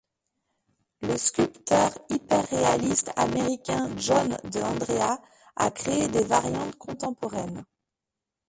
Le sculpteur hyperréaliste américain John de Andrea a créé des variantes contemporaines.